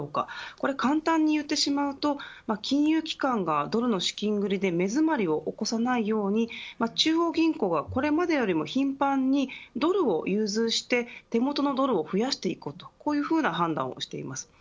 これ、簡単に言ってしまうと金融機関がドルの資金繰りで目詰まりを起こさないように中央銀行がこれまでよりも頻繁にドルを融通して手元のドルを増やしていくことこういうふうな判断をしています。